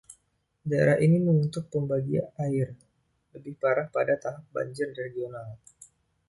Daerah ini membentuk pembagi air, lebih parah pada tahap banjir regional.